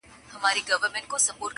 نه یې وکړل د آرامي شپې خوبونه٫